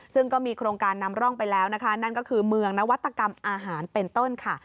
ซึ่งก็มีโครงการนำร่องไปแล้วนะคะนั่นก็คือเมืองนวัตกรรมอาหารเป็นต้นค่ะ